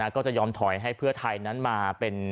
ก็จะยอมถอยให้เพื่อไทยนั้นมาเป็น